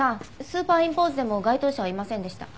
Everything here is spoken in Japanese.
スーパーインポーズでも該当者はいませんでした。